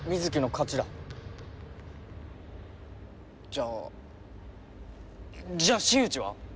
じゃあじゃあ新内は！？